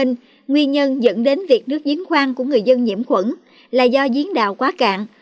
nguyên nhân dẫn đến việc nước diến khoan của người dân nhiễm khuẩn là do diến đạo quá cạn